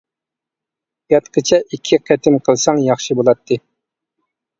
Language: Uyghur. ياتقىچە ئىككى قېتىم قىلساڭ، ياخشى بولاتتى.